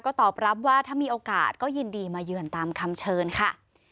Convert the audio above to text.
ก็ตอบรับว่าถ้ามีโอกาสก็ยินดีมาเยือนตามคำเชิญค่ะ